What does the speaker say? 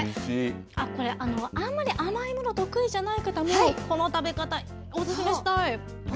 これ、あんまり甘いもの得意じゃない方も、この食べ方、お勧めしたい。